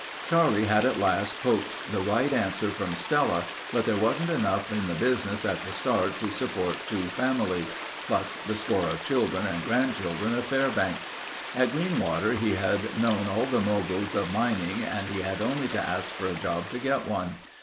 Charlie had at last coaxed the right answer from Stella but there wasn't enough in the business at the start to support two families, plus the score of children and grandchildren of Fairbanks. At Greenwater he had known all the moguls of mining and he had only to ask for a job to get one.